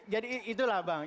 jadi itulah bang